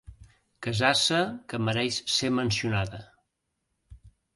Casassa que mereix ser mencionada.